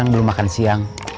belum makan siang